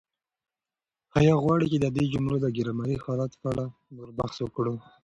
آیا غواړئ چې د دې جملو د ګرامري حالتونو په اړه نور بحث وکړو؟